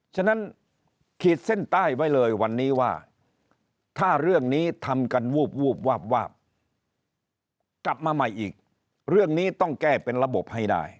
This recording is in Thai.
ฉะนั้นขีดเส้นใต้ไว้เลยวันนี้ว่าถ้าเรื่องนี้ทำกันวูบวาบวาบกลับมาใหม่อีกเรื่องนี้ต้องแก้เป็นระบบให้ได้